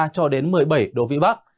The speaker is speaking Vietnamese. một mươi ba cho đến một mươi bảy độ vị bắc